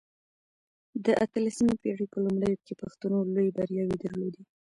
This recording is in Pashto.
د اته لسمې پېړۍ په لومړيو کې پښتنو لويې برياوې درلودې.